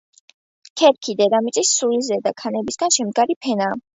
ქერქი - დედამიწის სულ ზედა, ქანებისგან შემდგარი ფენაა.